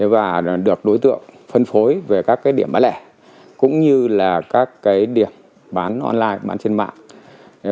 và được đối tượng phân phối về các điểm bán lẻ cũng như là các điểm bán online bán trên mạng